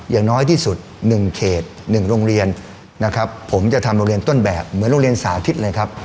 อย่างน้อยที่สุด๑เขต๑โรงเรียนนะครับผมจะทำโรงเรียนต้นแบบเหมือนโรงเรียนสาธิตเลยครับ